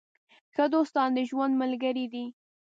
ښه دوستان د ژوند ملګري دي.